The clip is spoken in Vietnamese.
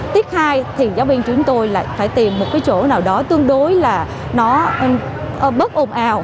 tiết hai thì giáo viên chúng tôi lại phải tìm một cái chỗ nào đó tương đối là nó bớt ôm ào